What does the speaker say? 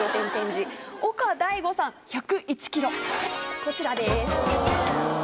こちらです。